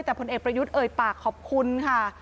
แต่พลเอกประยุทธ์เอ่ยปากขอบคุณค่ะ